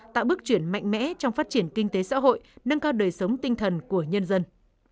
tạo bước chuyển mạnh mẽ trong phát triển kinh tế xã hội nâng cao đời sống tinh thần của nhân dân